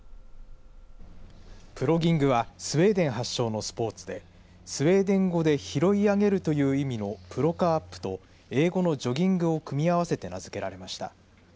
プロギングはスウェーデン発祥のスポーツでスウェーデン語で拾い上げるという意味のプロカアップと英語のジョギングを組み合わせて名付けられました。